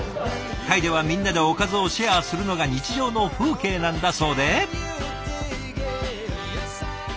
タイではみんなでおかずをシェアするのが日常の風景なんだそうで。